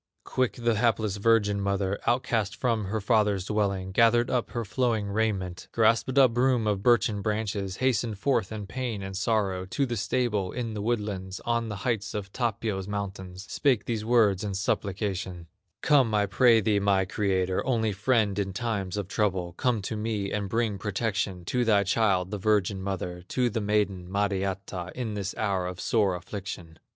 Quick the hapless virgin mother, Outcast from her father's dwelling, Gathered up her flowing raiment, Grasped a broom of birchen branches, Hastened forth in pain and sorrow To the stable in the woodlands, On the heights of Tapio's mountains, Spake these words in supplication: "Come, I pray thee, my Creator, Only friend in times of trouble, Come to me and bring protection To thy child, the virgin mother, To the maiden, Mariatta, In this hour of sore affliction.